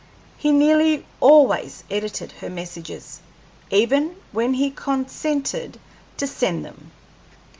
He nearly always edited her messages, even when he consented to send them.